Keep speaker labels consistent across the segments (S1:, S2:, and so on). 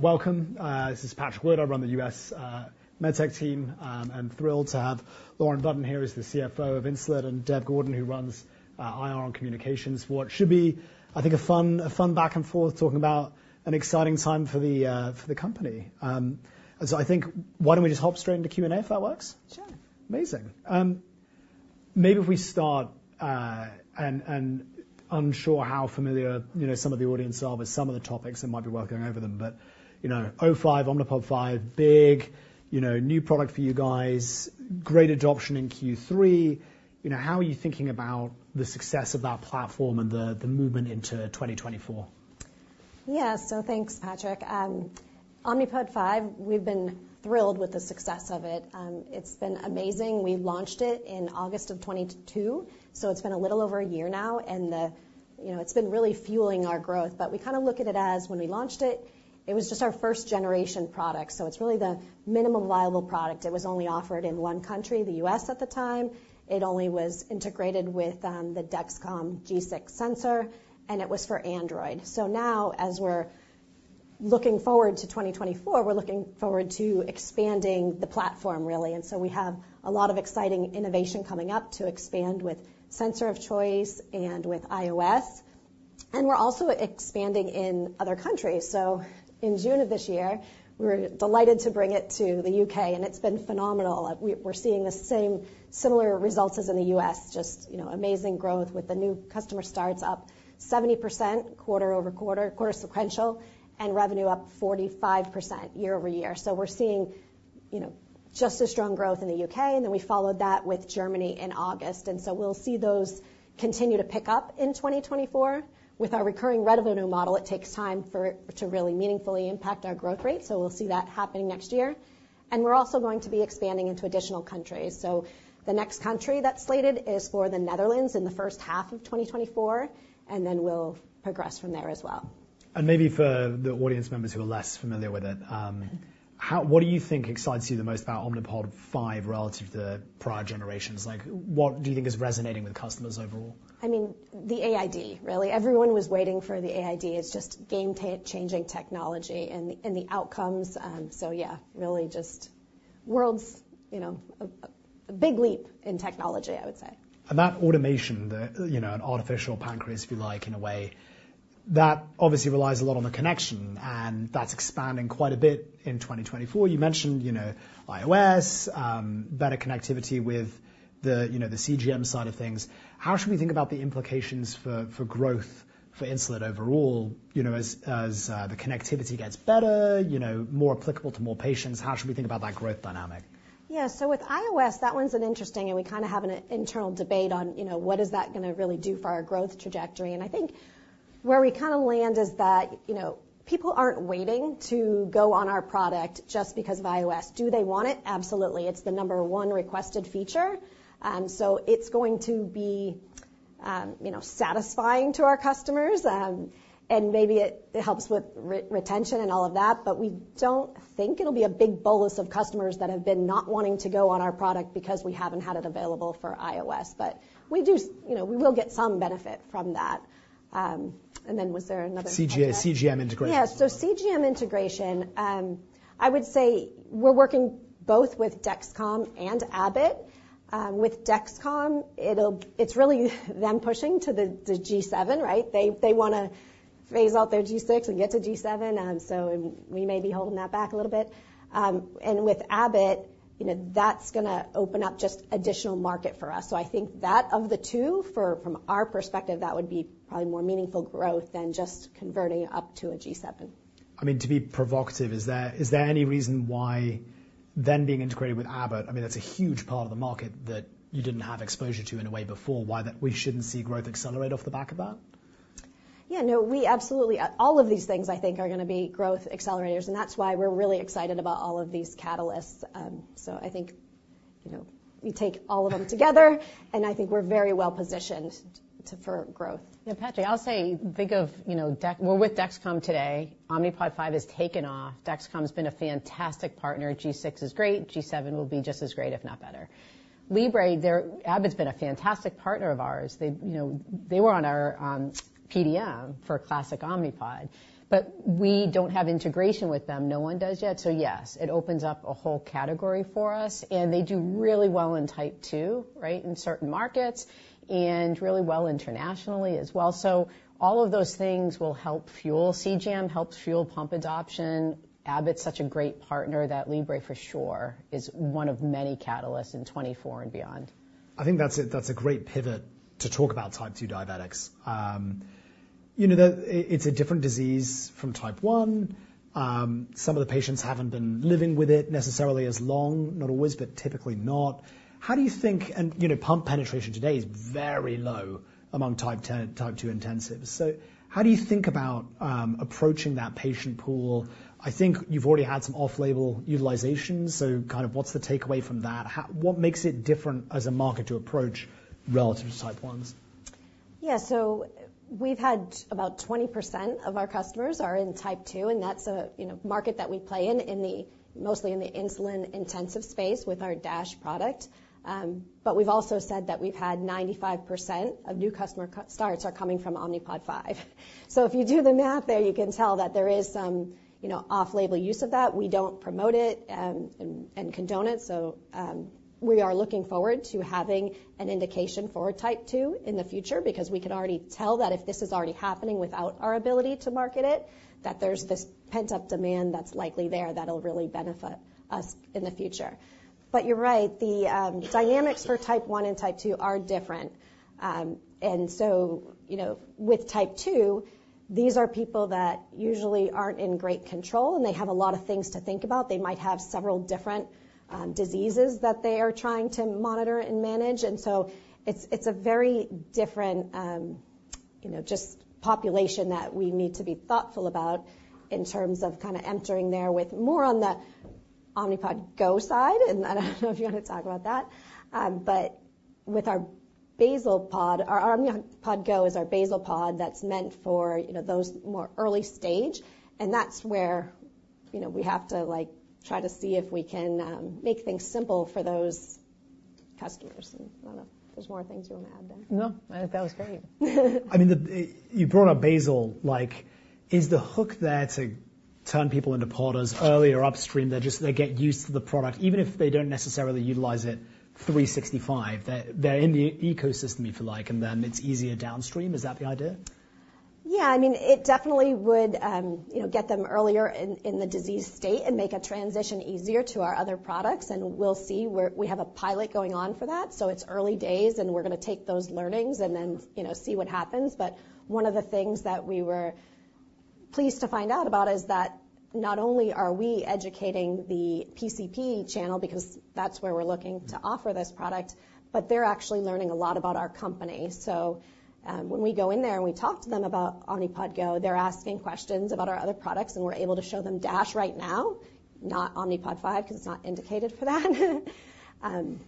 S1: Welcome. This is Patrick Wood. I run the U.S. MedTech team. I'm thrilled to have Lauren Budden here as the CFO of Insulet, and Deb Gordon, who runs IR on communications, for what should be, I think, a fun, a fun back and forth, talking about an exciting time for the, for the company. I think why don't we just hop straight into Q&A, if that works?
S2: Sure.
S1: Amazing. Maybe if we start, unsure how familiar, you know, some of the audience are with some of the topics, it might be worth going over them. But, you know, O5, Omnipod 5, big, you know, new product for you guys, great adoption in Q3. You know, how are you thinking about the success of that platform and the movement into 2024?
S2: Yeah, so thanks, Patrick. Omnipod 5, we've been thrilled with the success of it. It's been amazing. We launched it in August of 2022, so it's been a little over a year now, and the, you know, it's been really fueling our growth. But we kinda look at it as when we launched it, it was just our first generation product, so it's really the minimum viable product. It was only offered in one country, the U.S., at the time. It only was integrated with the Dexcom G6 sensor, and it was for Android. So now, as we're looking forward to 2024, we're looking forward to expanding the platform, really. And so we have a lot of exciting innovation coming up to expand with sensor of choice and with iOS, and we're also expanding in other countries. So in June of this year, we were delighted to bring it to the U.K., and it's been phenomenal. We're seeing the same similar results as in the U.S., just, you know, amazing growth with the new customer starts up 70% quarter-over-quarter, quarter sequential, and revenue up 45% year-over-year. So we're seeing, you know, just a strong growth in the U.K., and then we followed that with Germany in August. And so we'll see those continue to pick up in 2024. With our recurring revenue model, it takes time for it to really meaningfully impact our growth rate, so we'll see that happening next year. And we're also going to be expanding into additional countries. So the next country that's slated is for the Netherlands in the first half of 2024, and then we'll progress from there as well.
S1: Maybe for the audience members who are less familiar with it,
S2: Mm-hmm...
S1: how, what do you think excites you the most about Omnipod 5 relative to the prior generations? Like, what do you think is resonating with customers overall?
S2: I mean, the AID, really. Everyone was waiting for the AID. It's just game-changing technology and the outcomes. So yeah, really just worlds, you know, a big leap in technology, I would say.
S1: That automation, you know, an artificial pancreas, if you like, in a way, that obviously relies a lot on the connection, and that's expanding quite a bit in 2024. You mentioned, you know, iOS, better connectivity with the, you know, the CGM side of things. How should we think about the implications for growth for Insulet overall, you know, as the connectivity gets better, you know, more applicable to more patients? How should we think about that growth dynamic?
S2: Yeah, so with iOS, that one's an interesting, and we kinda have an internal debate on, you know, what is that gonna really do for our growth trajectory. And I think where we kinda land is that, you know, people aren't waiting to go on our product just because of iOS. Do they want it? Absolutely. It's the number one requested feature. So it's going to be, you know, satisfying to our customers, and maybe it helps with retention and all of that. But we don't think it'll be a big bolus of customers that have been not wanting to go on our product because we haven't had it available for iOS. But we do... You know, we will get some benefit from that. And then was there another question?
S1: CG, CGM integration.
S2: Yeah, so CGM integration, I would say we're working both with Dexcom and Abbott. With Dexcom, it's really them pushing to the G7, right? They wanna phase out their G6 and get to G7, so we may be holding that back a little bit. With Abbott, you know, that's gonna open up just additional market for us. So I think that, of the two, from our perspective, that would be probably more meaningful growth than just converting up to a G7.
S1: I mean, to be provocative, is there any reason why them being integrated with Abbott, I mean, that's a huge part of the market that you didn't have exposure to in a way before, why that we shouldn't see growth accelerate off the back of that?
S2: Yeah, no, we absolutely... all of these things, I think, are gonna be growth accelerators, and that's why we're really excited about all of these catalysts. So I think, you know, we take all of them together, and I think we're very well positioned to- for growth.
S3: Yeah, Patrick, I'll say, think of, you know, Well, with Dexcom today, Omnipod 5 has taken off. Dexcom's been a fantastic partner. G6 is great. G7 will be just as great, if not better. Libre, they're, Abbott's been a fantastic partner of ours. They, you know, they were on our PDM for classic Omnipod. But we don't have integration with them. No one does yet. So yes, it opens up a whole category for us, and they do really well in Type 2, right, in certain markets, and really well internationally as well. So all of those things will help fuel CGM, helps fuel pump adoption. Abbott's such a great partner that Libre, for sure, is one of many catalysts in 2024 and beyond.
S1: I think that's a great pivot to talk about Type 2 diabetics. You know, it's a different disease from Type 1. Some of the patients haven't been living with it necessarily as long, not always, but typically not. How do you think and, you know, pump penetration today is very low among Type 1, Type 2 intensives. So how do you think about approaching that patient pool? I think you've already had some off-label utilization, so kind of what's the takeaway from that? How, what makes it different as a market to approach relative to Type 1s?...
S2: Yeah, so we've had about 20% of our customers are in Type 2, and that's a, you know, market that we play in, in the mostly in the insulin-intensive space with our DASH product. But we've also said that we've had 95% of new customer starts are coming from Omnipod 5. So if you do the math there, you can tell that there is some, you know, off-label use of that. We don't promote it, and condone it, so, we are looking forward to having an indication for Type 2 in the future, because we can already tell that if this is already happening without our ability to market it, that there's this pent-up demand that's likely there that'll really benefit us in the future. But you're right, the dynamics for Type 1 and Type 2 are different. And so, you know, with Type 2, these are people that usually aren't in great control, and they have a lot of things to think about. They might have several different diseases that they are trying to monitor and manage, and so it's, it's a very different, you know, just population that we need to be thoughtful about in terms of kind of entering there with more on the Omnipod GO side. And I don't know if you want to talk about that. But with our basal pod, our Omnipod GO is our basal pod that's meant for, you know, those more early stage, and that's where, you know, we have to, like, try to see if we can make things simple for those customers. And I don't know if there's more things you want to add there.
S3: No, I think that was great.
S1: I mean, the... You brought up basal, like, is the hook there to turn people into Podders earlier upstream? They're just, they get used to the product, even if they don't necessarily utilize it 365, they're, they're in the ecosystem, if you like, and then it's easier downstream. Is that the idea?
S2: Yeah. I mean, it definitely would, you know, get them earlier in the disease state and make a transition easier to our other products, and we'll see where... We have a pilot going on for that, so it's early days, and we're gonna take those learnings and then, you know, see what happens. But one of the things that we were pleased to find out about is that not only are we educating the PCP channel, because that's where we're looking to offer this product, but they're actually learning a lot about our company. So, when we go in there, and we talk to them about Omnipod GO, they're asking questions about our other products, and we're able to show them DASH right now, not Omnipod 5, because it's not indicated for that.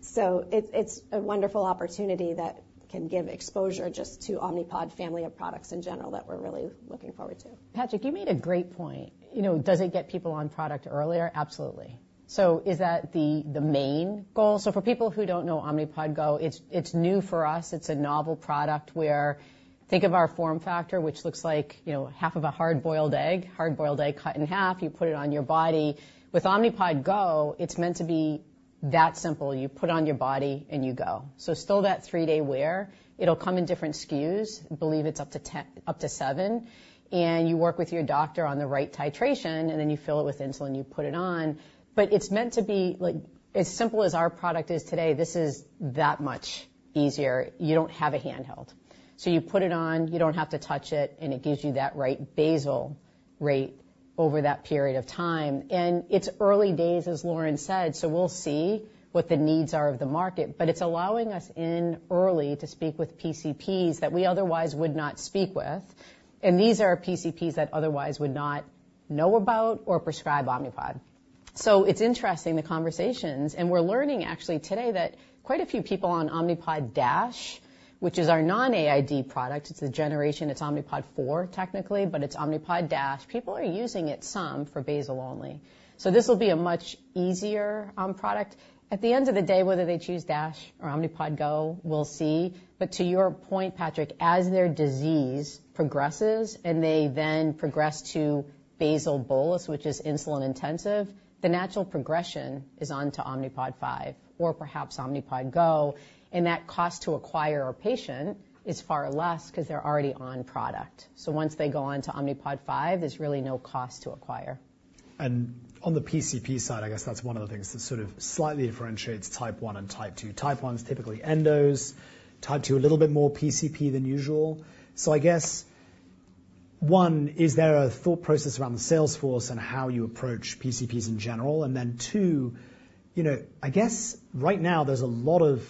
S2: So it's a wonderful opportunity that can give exposure just to Omnipod family of products in general that we're really looking forward to.
S3: Patrick, you made a great point. You know, does it get people on product earlier? Absolutely. So is that the main goal? So for people who don't know Omnipod GO, it's new for us. It's a novel product where... Think of our form factor, which looks like, you know, half of a hard-boiled egg, hard-boiled egg cut in half. You put it on your body. With Omnipod GO, it's meant to be that simple. You put on your body, and you go. So still that three-day wear. It'll come in different SKUs. I believe it's up to 10- up to 7, and you work with your doctor on the right titration, and then you fill it with insulin, you put it on. But it's meant to be, like, as simple as our product is today, this is that much easier. You don't have a handheld. So you put it on, you don't have to touch it, and it gives you that right basal rate over that period of time. And it's early days, as Lauren said, so we'll see what the needs are of the market. But it's allowing us in early to speak with PCPs that we otherwise would not speak with. And these are PCPs that otherwise would not know about or prescribe Omnipod. So it's interesting, the conversations, and we're learning actually today that quite a few people on Omnipod DASH, which is our non-AID product, it's a generation, it's Omnipod 4, technically, but it's Omnipod DASH. People are using it some for basal only. So this will be a much easier product. At the end of the day, whether they choose DASH or Omnipod GO, we'll see. To your point, Patrick, as their disease progresses, and they then progress to basal bolus, which is insulin intensive, the natural progression is on to Omnipod 5 or perhaps Omnipod GO, and that cost to acquire a patient is far less because they're already on product. Once they go on to Omnipod 5, there's really no cost to acquire.
S1: On the PCP side, I guess that's one of the things that sort of slightly differentiates Type 1 and Type 2. Type 1 is typically endos, Type 2, a little bit more PCP than usual. So I guess, one, is there a thought process around the sales force and how you approach PCPs in general? And then, two, you know, I guess right now there's a lot of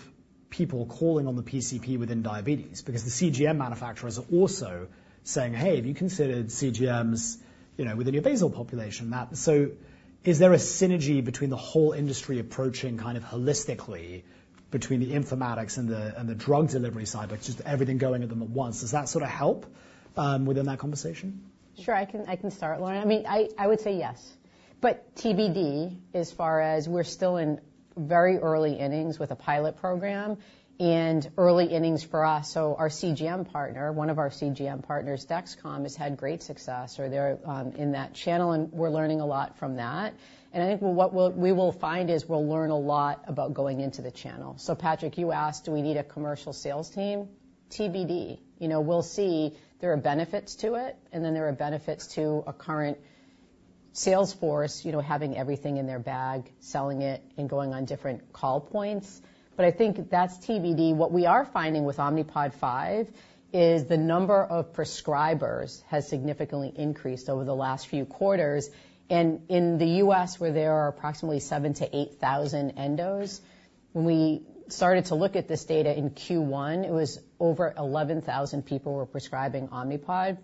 S1: people calling on the PCP within diabetes, because the CGM manufacturers are also saying, "Hey, have you considered CGMs, you know, within your basal population map?" So is there a synergy between the whole industry approaching kind of holistically between the informatics and the Drug Delivery side, but just everything going at them at once? Does that sort of help within that conversation?
S3: Sure, I can, I can start, Lauren. I mean, I, I would say yes, but TBD, as far as we're still in very early innings with a pilot program and early innings for us. So our CGM partner, one of our CGM partners, Dexcom, has had great success or they're in that channel, and we're learning a lot from that. And I think what we'll, we will find is we'll learn a lot about going into the channel. So Patrick, you asked, do we need a commercial sales team? TBD. You know, we'll see. There are benefits to it, and then there are benefits to a current sales force, you know, having everything in their bag, selling it, and going on different call points. But I think that's TBD. What we are finding with Omnipod 5 is the number of prescribers has significantly increased over the last few quarters. And in the U.S., where there are approximately 7,000-8,000 endos, when we started to look at this data in Q1, it was over 11,000 people were prescribing Omnipod.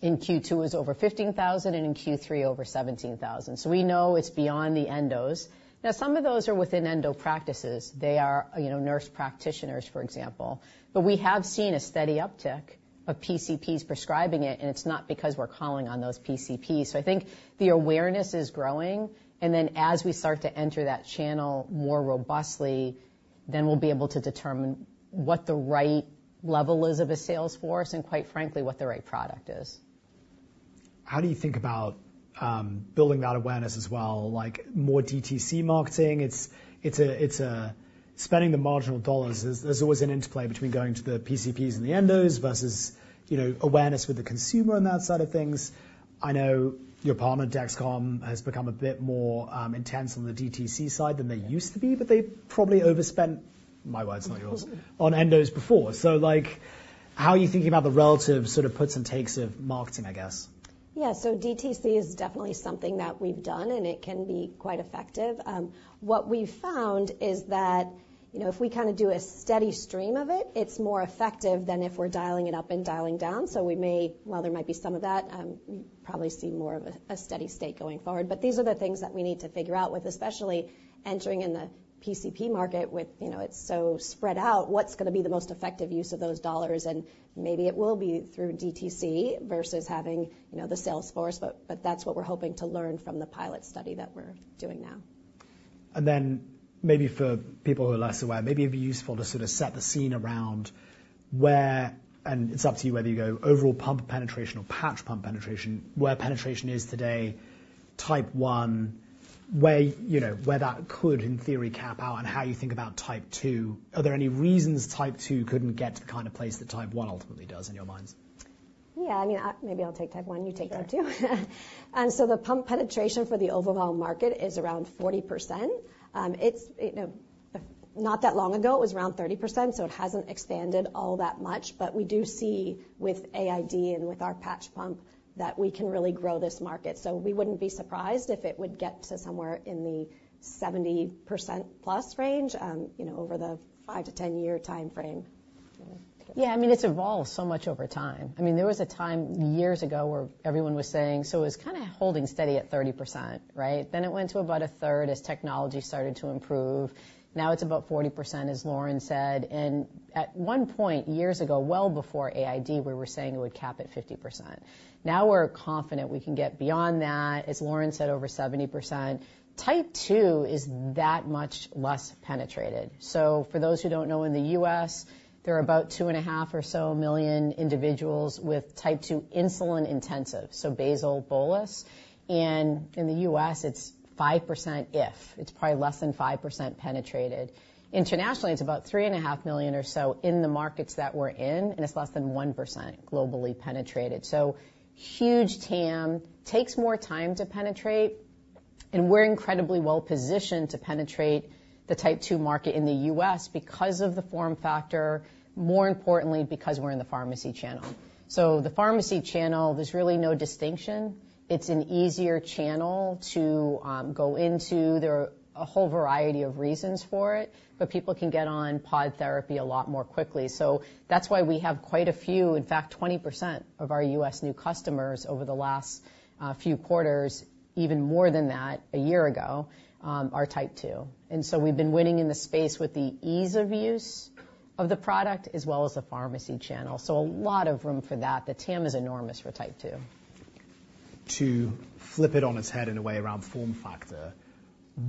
S3: In Q2 it was over 15,000, and in Q3, over 17,000. So we know it's beyond the endos. Now, some of those are within endo practices. They are, you know, nurse practitioners, for example. But we have seen a steady uptick of PCPs prescribing it, and it's not because we're calling on those PCPs. So I think the awareness is growing, and then as we start to enter that channel more robustly, then we'll be able to determine what the right level is of a sales force, and quite frankly, what the right product is.
S1: How do you think about building that awareness as well? Like, more DTC marketing, it's a spending the marginal dollars. There's always an interplay between going to the PCPs and the endos versus, you know, awareness with the consumer on that side of things. I know your partner, Dexcom, has become a bit more intense on the DTC side than they used to be, but they probably overspent, my words, not yours, on endos before. So, like, how are you thinking about the relative sort of puts and takes of marketing, I guess?
S2: Yeah, so DTC is definitely something that we've done, and it can be quite effective. What we've found is that, you know, if we kind of do a steady stream of it, it's more effective than if we're dialing it up and dialing down. So we may... While there might be some of that, we probably see more of a steady state going forward. But these are the things that we need to figure out, with especially entering in the PCP market with, you know, it's so spread out, what's gonna be the most effective use of those dollars? And maybe it will be through DTC versus having, you know, the sales force, but that's what we're hoping to learn from the pilot study that we're doing now.
S1: And then maybe for people who are less aware, maybe it'd be useful to sort of set the scene around where, and it's up to you whether you go overall pump penetration or patch pump penetration, where penetration is today, Type 1, where, you know, where that could, in theory, cap out and how you think about Type 2. Are there any reasons Type 2 couldn't get to the kind of place that Type 1 ultimately does in your minds?
S2: Yeah, I mean, maybe I'll take Type 1, you take Type 2.
S3: Sure.
S2: And so the pump penetration for the overall market is around 40%. It's, you know, not that long ago, it was around 30%, so it hasn't expanded all that much. But we do see with AID and with our patch pump, that we can really grow this market. So we wouldn't be surprised if it would get to somewhere in the 70%+ range, you know, over the 5- to 10-year time frame.
S3: Yeah, I mean, it's evolved so much over time. I mean, there was a time years ago where everyone was saying, so it was kind of holding steady at 30%, right? Then it went to about a third as technology started to improve. Now it's about 40%, as Lauren said, and at one point, years ago, well before AID, we were saying it would cap at 50%. Now, we're confident we can get beyond that, as Lauren said, over 70%. Type 2 is that much less penetrated. So for those who don't know, in the U.S., there are about 2.5 or so million individuals with Type 2 insulin intensive, so basal bolus. And in the U.S., it's 5% if. It's probably less than 5% penetrated. Internationally, it's about 3.5 million or so in the markets that we're in, and it's less than 1% globally penetrated. So huge TAM, takes more time to penetrate, and we're incredibly well positioned to penetrate the Type 2 market in the U.S. because of the form factor, more importantly, because we're in the pharmacy channel. So the Pharmacy channel, there's really no distinction. It's an easier channel to go into. There are a whole variety of reasons for it, but people can get on pod therapy a lot more quickly. So that's why we have quite a few, in fact, 20% of our U.S. new customers over the last few quarters, even more than that a year ago, are Type 2. We've been winning in the space with the ease of use of the product as well as the Pharmacy channel. A lot of room for that. The TAM is enormous for Type 2.
S1: To flip it on its head in a way around form factor,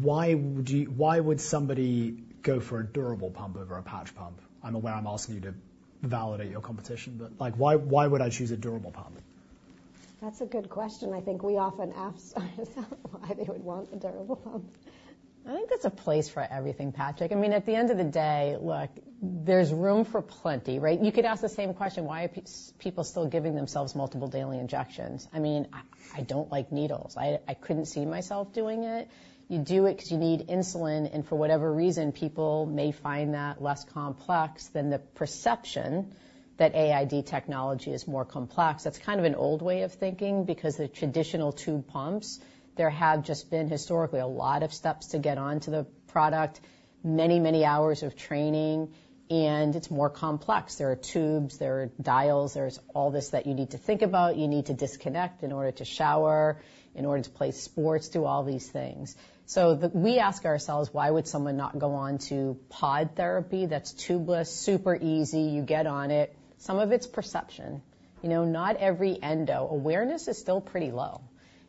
S1: why would you, why would somebody go for a durable pump over a patch pump? I'm aware I'm asking you to validate your competition, but like, why, why would I choose a durable pump?
S2: That's a good question. I think we often ask ourselves why they would want a durable pump.
S3: I think there's a place for everything, Patrick. I mean, at the end of the day, look, there's room for plenty, right? You could ask the same question, why are people still giving themselves multiple daily injections? I mean, I don't like needles. I couldn't see myself doing it. You do it 'cause you need insulin, and for whatever reason, people may find that less complex than the perception that AID technology is more complex. That's kind of an old way of thinking, because the traditional tube pumps, there have just been historically a lot of steps to get onto the product, many, many hours of training, and it's more complex. There are tubes, there are dials, there's all this that you need to think about. You need to disconnect in order to shower, in order to play sports, do all these things. So we ask ourselves, why would someone not go on to pod therapy that's tubeless, super easy, you get on it? Some of it's perception. You know, not every endo... Awareness is still pretty low,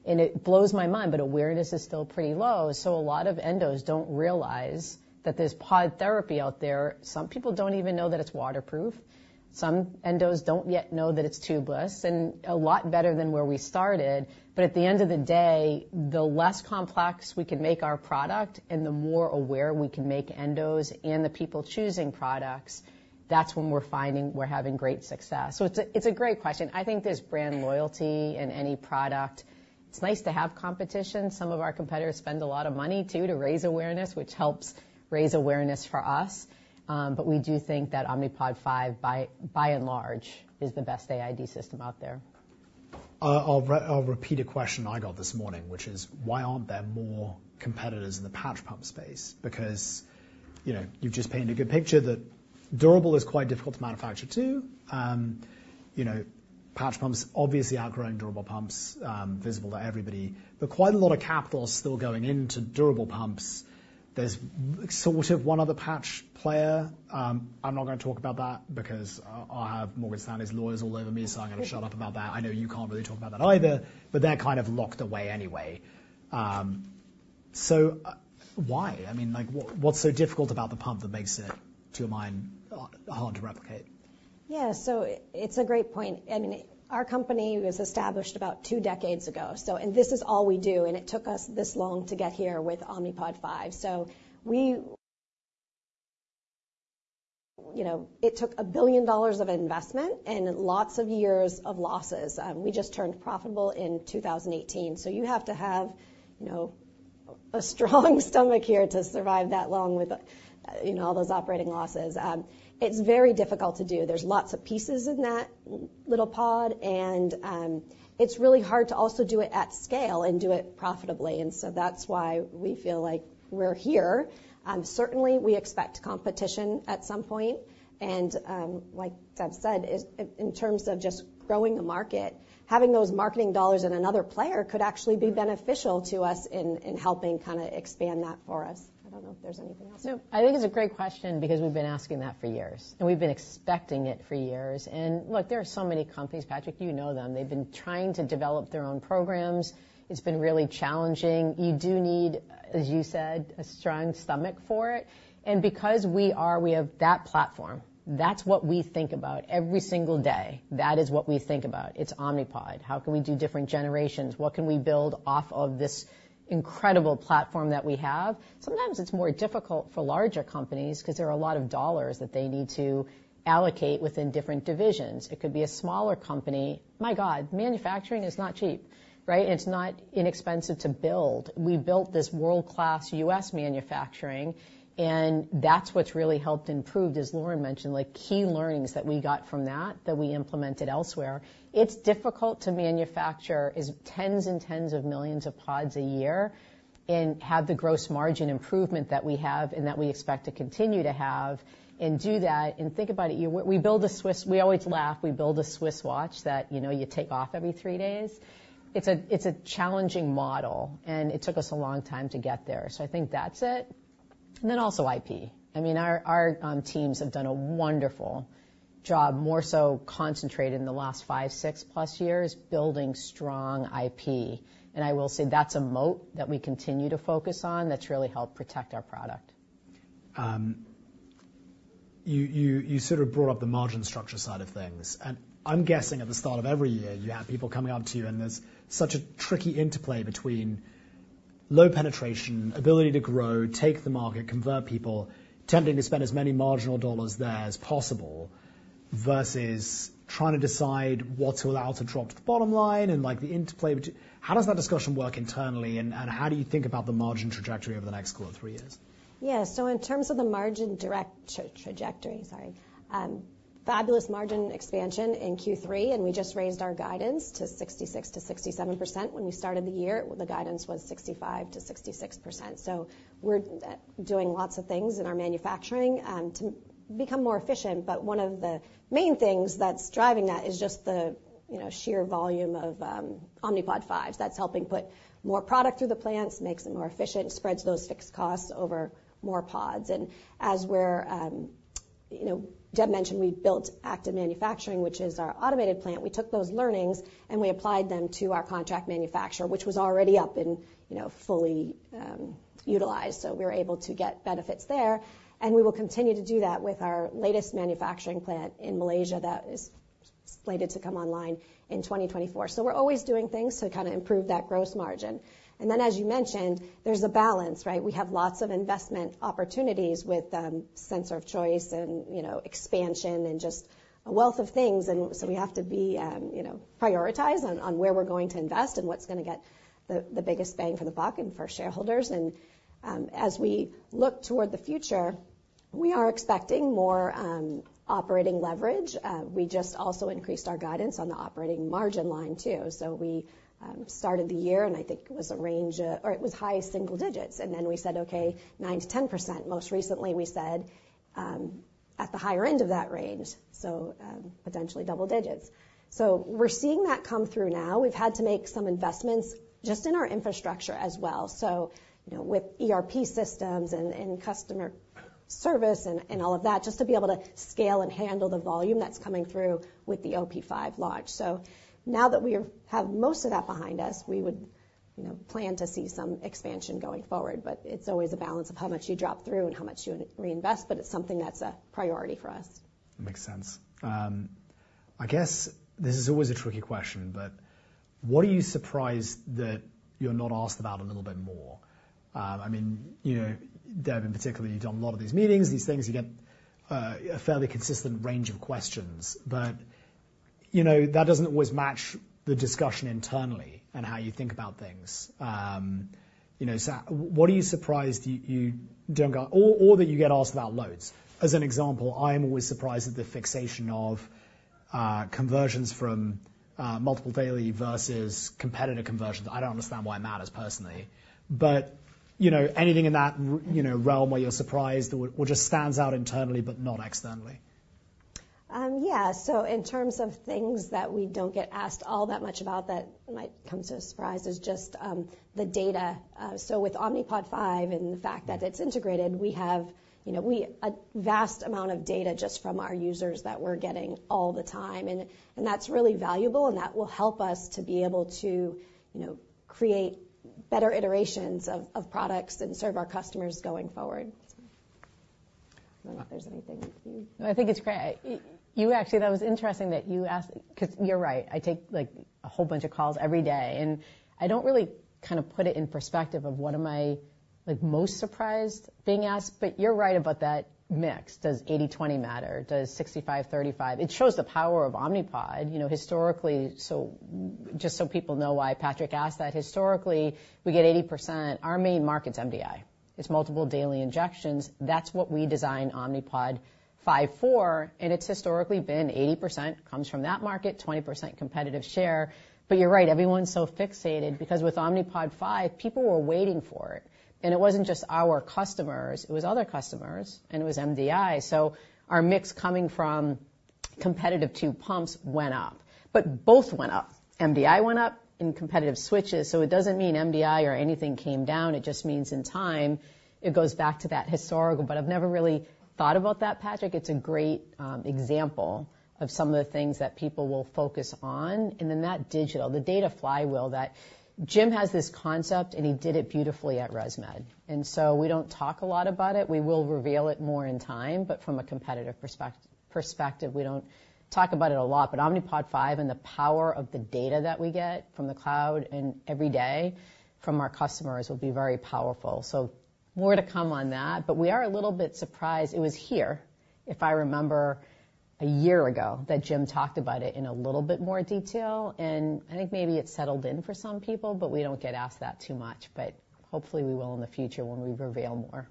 S3: and it blows my mind, but awareness is still pretty low, so a lot of endos don't realize that there's pod therapy out there. Some people don't even know that it's waterproof. Some endos don't yet know that it's tubeless and a lot better than where we started. But at the end of the day, the less complex we can make our product and the more aware we can make endos and the people choosing products, that's when we're finding we're having great success. So it's a, it's a great question. I think there's brand loyalty in any product. It's nice to have competition. Some of our competitors spend a lot of money, too, to raise awareness, which helps raise awareness for us. But we do think that Omnipod 5, by and large, is the best AID system out there.
S1: I'll repeat a question I got this morning, which is, why aren't there more competitors in the patch pump space? Because, you know, you've just painted a good picture that durable is quite difficult to manufacture, too. You know, patch pumps obviously outgrowing durable pumps, visible to everybody, but quite a lot of capital is still going into durable pumps. There's sort of one other patch player. I'm not gonna talk about that because I'll have Morgan Stanley's lawyers all over me, so I'm gonna shut up about that. I know you can't really talk about that either, but they're kind of locked away anyway. So, why? I mean, like, what, what's so difficult about the pump that makes it, to your mind, hard to replicate?
S2: Yeah. So it's a great point, and our company was established about two decades ago. This is all we do, and it took us this long to get here with Omnipod 5. So we, you know, it took $1 billion of investment and lots of years of losses. We just turned profitable in 2018, so you have to have, you know, a strong stomach here to survive that long with, you know, all those operating losses. It's very difficult to do. There's lots of pieces in that little pod, and it's really hard to also do it at scale and do it profitably, and so that's why we feel like we're here. Certainly, we expect competition at some point, and, like Deb said, in terms of just growing the market, having those marketing dollars in another player could actually be beneficial to us in helping kinda expand that for us. I don't know if there's anything else.
S3: No. I think it's a great question because we've been asking that for years, and we've been expecting it for years. And, look, there are so many companies, Patrick, you know them. They've been trying to develop their own programs. It's been really challenging. You do need, as you said, a strong stomach for it, and because we are, we have that platform, that's what we think about every single day. That is what we think about. It's Omnipod. How can we do different generations? What can we build off of this incredible platform that we have? Sometimes it's more difficult for larger companies 'cause there are a lot of dollars that they need to allocate within different divisions. It could be a smaller company. My God, manufacturing is not cheap, right? It's not inexpensive to build. We built this world-class U.S. manufacturing, and that's what's really helped improved, as Lauren mentioned, like, key learnings that we got from that, that we implemented elsewhere. It's difficult to manufacture tens and tens of millions of pods a year and have the gross margin improvement that we have and that we expect to continue to have, and do that. And think about it. We build a Swiss... We always laugh. We build a Swiss watch that, you know, you take off every 3 days. It's a challenging model, and it took us a long time to get there. So I think that's it, and then also IP. I mean, our teams have done a wonderful job, more so concentrated in the last 5, 6+ years, building strong IP. I will say that's a moat that we continue to focus on, that's really helped protect our product.
S1: You sort of brought up the margin structure side of things, and I'm guessing at the start of every year, you have people coming up to you, and there's such a tricky interplay between low penetration, ability to grow, take the market, convert people, tempting to spend as many marginal dollars there as possible, versus trying to decide what to allow to drop to the bottom line and, like, the interplay between... How does that discussion work internally, and how do you think about the margin trajectory over the next, call it, three years?
S2: Yeah. So in terms of the margin trajectory, sorry, fabulous margin expansion in Q3, and we just raised our guidance to 66%-67%. When we started the year, well, the guidance was 65%-66%. So we're doing lots of things in our manufacturing to become more efficient, but one of the main things that's driving that is just the, you know, sheer volume of Omnipod 5s. That's helping put more product through the plants, makes it more efficient, spreads those fixed costs over more pods. And as we're, you know, Deb mentioned, we built Acton manufacturing, which is our automated plant. We took those learnings, and we applied them to our contract manufacturer, which was already up and, you know, fully utilized. So we were able to get benefits there, and we will continue to do that with our latest manufacturing plant in Malaysia that is slated to come online in 2024. So we're always doing things to kinda improve that gross margin. And then, as you mentioned, there's a balance, right? We have lots of investment opportunities with sensor of choice and, you know, expansion and just a wealth of things, and so we have to be, you know, prioritize on where we're going to invest and what's gonna get the biggest bang for the buck and for shareholders. And, as we look toward the future, we are expecting more operating leverage. We just also increased our guidance on the operating margin line, too. So we started the year, and I think it was a range of high single digits, and then we said, "Okay, 9%-10%." Most recently, we said at the higher end of that range, so potentially double digits. So we're seeing that come through now. We've had to make some investments just in our infrastructure as well, so you know, with ERP systems and customer service and all of that, just to be able to scale and handle the volume that's coming through with the OP5 launch. So now that we have most of that behind us, we would you know, plan to see some expansion going forward, but it's always a balance of how much you drop through and how much you reinvest, but it's something that's a priority for us.
S1: Makes sense. I guess this is always a tricky question, but what are you surprised that you're not asked about a little bit more? I mean, you know, Deb, in particular, you've done a lot of these meetings, these things. You get a fairly consistent range of questions, but, you know, that doesn't always match the discussion internally and how you think about things. You know, so what are you surprised you don't get, or that you get asked about loads? As an example, I am always surprised at the fixation on conversions from multiple daily versus competitive conversions. I don't understand why it matters personally, but, you know, anything in that, you know, realm where you're surprised or just stands out internally but not externally?
S2: Yeah, so in terms of things that we don't get asked all that much about that might come as a surprise is just the data. So with Omnipod 5 and the fact that it's integrated, we have, you know, a vast amount of data just from our users that we're getting all the time, and that's really valuable, and that will help us to be able to, you know, create better iterations of products and serve our customers going forward. I don't know if there's anything you-
S3: I think it's great. You actually, that was interesting that you asked, 'cause you're right. I take, like, a whole bunch of calls every day, and I don't really kind of put it in perspective of what am I, like, most surprised being asked, but you're right about that mix. Does 80/20 matter? Does 65/35? It shows the power of Omnipod. You know, historically, so just so people know why Patrick asked that, historically, we get 80%. Our main market's MDI. It's multiple daily injections. That's what we designed Omnipod 5 for, and it's historically been 80% comes from that market, 20% competitive share. But you're right, everyone's so fixated, because with Omnipod 5, people were waiting for it, and it wasn't just our customers, it was other customers, and it was MDI. So our mix coming from competitive to pumps went up, but both went up. MDI went up and competitive switches, so it doesn't mean MDI or anything came down. It just means in time, it goes back to that historical. But I've never really thought about that, Patrick. It's a great example of some of the things that people will focus on, and then that digital, the data flywheel, that Jim has this concept, and he did it beautifully at ResMed. And so we don't talk a lot about it. We will reveal it more in time, but from a competitive perspective, we don't talk about it a lot. But Omnipod 5 and the power of the data that we get from the cloud and every day from our customers will be very powerful. So more to come on that, but we are a little bit surprised. It was here, if I remember, a year ago, that Jim talked about it in a little bit more detail, and I think maybe it settled in for some people, but we don't get asked that too much. But hopefully, we will in the future when we reveal more.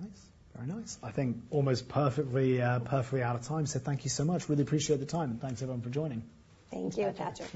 S1: Nice. Very nice. I think almost perfectly, perfectly out of time. So thank you so much. Really appreciate the time. Thanks, everyone, for joining.
S2: Thank you, Patrick.